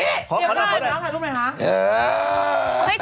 เดี๋ยวก่อนเดี๋ยวก่อนถ่ายรูปหน่อยค่ะ